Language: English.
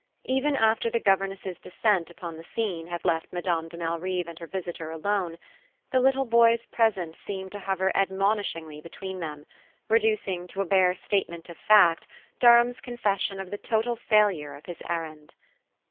Even after the governess's descent upon the scene had left Madame de Malrive and her visitor alone, the little boy's presence seemed to hover admonishingly between them, reducing to a bare statement of fact Durham's confession of the total failure of his errand.